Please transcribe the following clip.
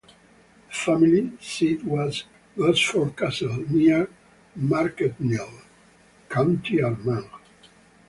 The family seat was Gosford Castle, near Markethill, County Armagh.